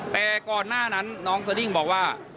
แต่ก่อนหน้านั้นน้องสดิ้งบอกว่า